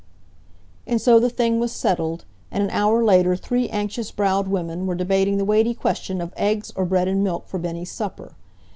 And so the thing was settled, and an hour later three anxious browed women were debating the weighty question of eggs or bread and milk for Bennie's supper.